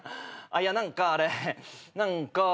いや何かあれ何かあれ。